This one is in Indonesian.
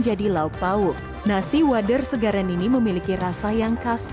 sejak dulu ikan ini dikumpulkan di kawasan kolam segaran dan sungai sekitar kawasan tersebut